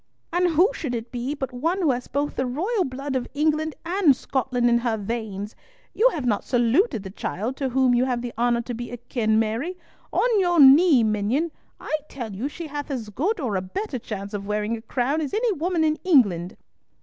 "And who should it be but one who has both the royal blood of England and Scotland in her veins? You have not saluted the child to whom you have the honour to be akin, Mary! On your knee, minion; I tell you she hath as good or a better chance of wearing a crown as any woman in England."